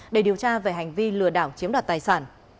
để điều tra về hành vi lừa đảo chiếm đoạt tài sản